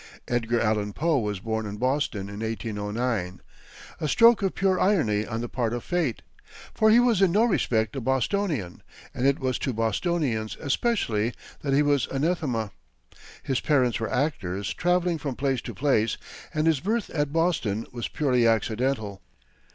Edgar Allan Poe was born in Boston in 1809 a stroke of purest irony on the part of fate, for he was in no respect a Bostonian, and it was to Bostonians especially that he was anathema. His parents were actors, travelling from place to place, and his birth at Boston was purely accidental.